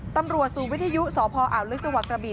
ตำรวจศูนย์วิทยุสออาวลึกจกระบี่